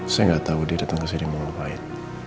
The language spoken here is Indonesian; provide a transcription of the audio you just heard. saya gatau dia dateng kesini mau ngapain